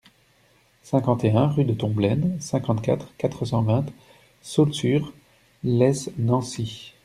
cinquante et un rue de Tomblaine, cinquante-quatre, quatre cent vingt, Saulxures-lès-Nancy